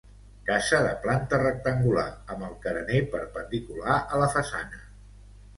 Casa de planta rectangular amb el carener perpendicular a la façana.